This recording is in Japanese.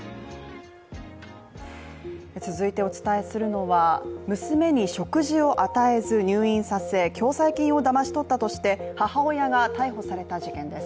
続いてお伝えするのは、娘に食事を与えず入院させ共済金をだまし取ったとして母親が逮捕された事件です。